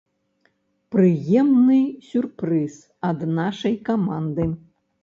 Прыемны сюрпрыз ад нашай каманды.